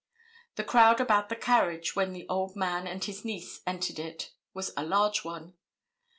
The crowd about the carriage when the old man and his niece entered it was a large one.